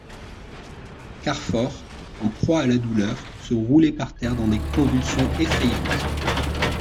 Carfor, en proie à la douleur, se roulait par terre dans des convulsions effrayantes.